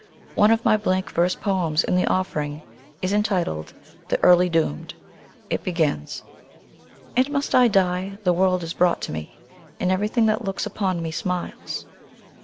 One of my blank verse poems in the "Offering" is entitled "The Early Doomed." It begins, And must I die? The world is bright to me, And everything that looks upon me, smiles.